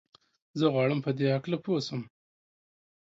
زه غواړم په دي هکله پوه سم.